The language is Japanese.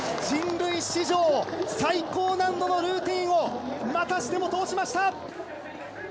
人類史上最高難度のルーティンをまたしても通しました。